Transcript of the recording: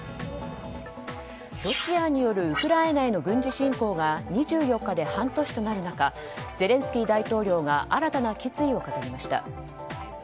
ロシアによるウクライナへの軍事侵攻が２４日で半年となる中ゼレンスキー大統領が新たな決意を語りました。